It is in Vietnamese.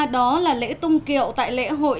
đó là lễ tung kiệu tại lễ hội